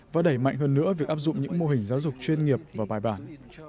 và đẩy mạnh hơn nữa việc áp dụng những mô hình giáo dục chuyên nghiệp và bài bản